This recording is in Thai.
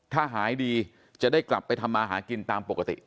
ถ้าหายดีจะได้กลับไปทำมาหากินตามปกติ